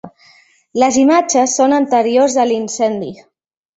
Les imatges són anteriors a l'incendi.